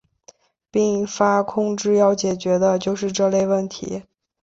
并发控制要解决的就是这类问题。